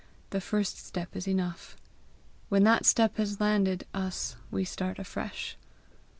The first step is enough. When that step has landed us, we start afresh.